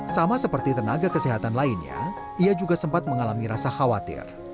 sama seperti tenaga kesehatan lainnya ia juga sempat mengalami rasa khawatir